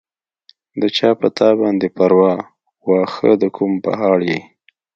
د چا پۀ تا باندې پرواه، واښۀ د کوم پهاړ ئې